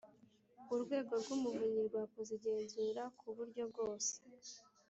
Urwego rw Umuvunyi rwakoze igenzura ku buryo bwose